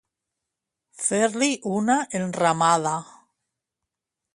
Fer-li una enramada.